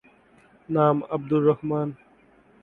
নাম আব্দুর রহমান।